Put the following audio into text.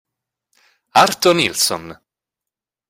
Arto Nilsson